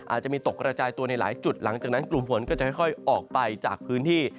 อาจจะมีตกกระจายตัวในหลายจุดหลังจากนั้นกลุ่มฝนก็จะค่อยออกไปจากพื้นที่